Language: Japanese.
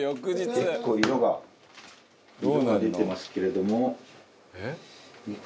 結構色が色が出てますけれども。